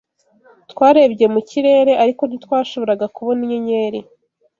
Twarebye mu kirere, ariko ntitwashoboraga kubona inyenyeri.